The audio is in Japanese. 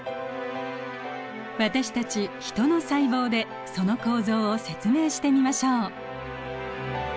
私たちヒトの細胞でその構造を説明してみましょう。